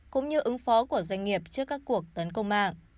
cũng như ứng phó của doanh nghiệp trước các cuộc tấn công mạng